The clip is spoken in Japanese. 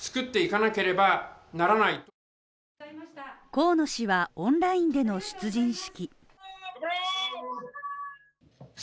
河野氏はオンラインでの出陣式。